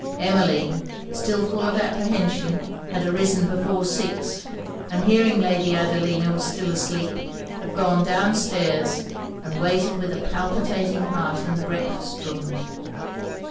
Emmeline, still full of apprehension, had arisen before six, and hearing Lady Adelina was still asleep, had gone down stairs, and waited with a palpitating heart in the breakfast room.